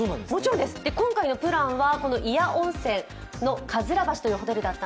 今回のプランは、祖谷温泉のかずら橋というホテルでした。